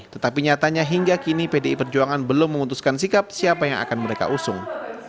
tetapi nyatanya hingga kini pdi perjuangan belum memutuskan sikap siapa yang akan mereka usung